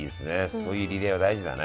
そういうリレーは大事だね。